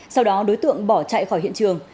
sau đó đối tượng bỏ chạy khỏi hiện trường